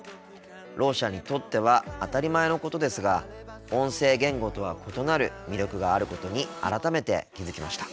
ろう者にとっては当たり前のことですが音声言語とは異なる魅力があることに改めて気付きました。